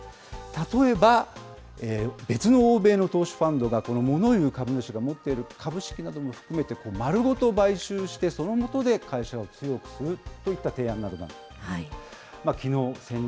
例えば、別の欧米の投資ファンドが、このモノ言う株主が持っている株式などを含めて、まるごと買収して、そのもとで会社を強くするといった提案などがあります。